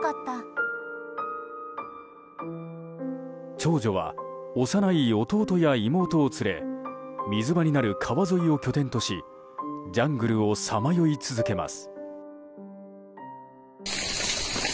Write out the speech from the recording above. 長女は幼い弟や妹を連れ水場になる川沿いを拠点としジャングルをさまよい続けます。